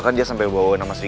kenapa lo berhenti disini